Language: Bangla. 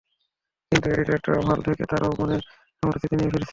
কিন্তু অ্যাডিলেড ওভাল থেকে তারাও মনে রাখার মতো স্মৃতি নিয়ে ফিরেছে।